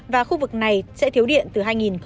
và khu vực này sẽ thiếu điện từ hai nghìn hai mươi